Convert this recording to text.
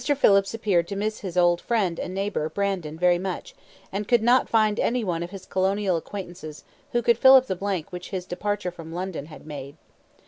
Phillips appeared to miss his old friend and neighbour, Brandon, very much, and could not find any one of his colonial acquaintances who could fill up the blank which his departure from London had made.